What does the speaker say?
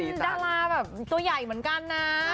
เป็นดาราแบบตัวใหญ่เหมือนกันนะ